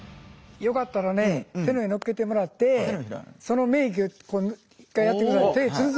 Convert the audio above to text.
よかったらね手のうえのっけてもらってその粘液をこう一回やってください。